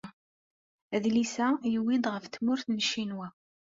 Adlis-a yewwi-d ɣef tmurt n Ccinwa.